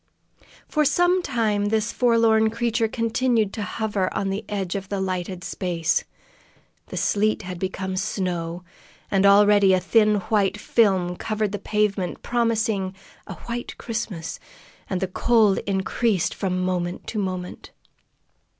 For some time this forlorn creature continued to hover on the edge of the lighted space. The sleet had become snow, and already a thin white film covered the pavement, promising "a white Christmas," and the cold increased from moment to moment.